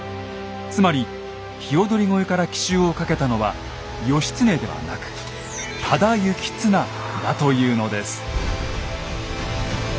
つまり鵯越から奇襲をかけたのは義経ではなく多田行綱だというのです。